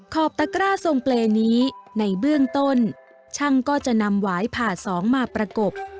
ขอบตะกร้าทรงเปรย์นี้ในเบื้องต้นช่างก็จะนำหวายผ่าสองมาประกบ